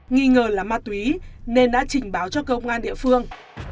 nghi ngờ là ma túy nên đã trình báo cho công an địa phương